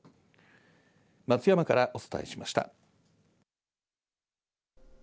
松山からお伝えしました。